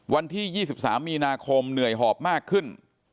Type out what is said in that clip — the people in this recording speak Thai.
วันที่๒๓มีนาคมเหนื่อยหอบมากขึ้น